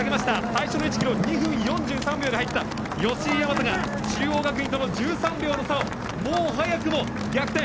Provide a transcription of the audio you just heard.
最初の１ｋｍを２分４３秒で入った吉居大和が中央学院との１４秒の差をもう早くも逆転。